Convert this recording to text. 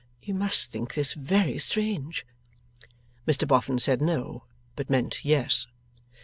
You must think this very strange?' Mr Boffin said no, but meant yes.